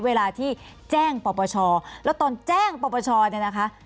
เวลาที่แจ้งปปชแล้วตอนแจ้งปปชเนี่ยนะคะ